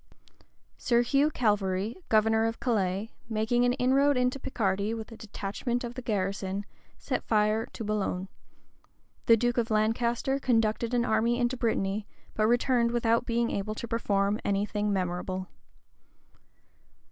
Sir Hugh Calverly, governor of Calais, making an inroad into Picardy with a detachment of the garrison, set fire to Boulogne.[] The duke of Lancaster conducted an army into Brittany, but returned without being able to perform any thing memorable.